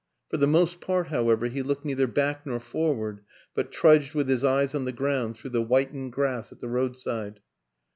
For the most part, however, he looked neither back nor forward but trudged with his eyes on the ground through the whitened grass at the roadside.